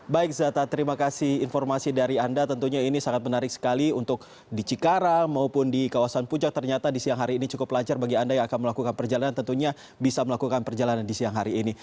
baik zata terima kasih informasi dari anda tentunya ini sangat menarik sekali untuk di cikarang maupun di kawasan puncak ternyata di siang hari ini cukup lancar bagi anda yang akan melakukan perjalanan tentunya bisa melakukan perjalanan di siang hari ini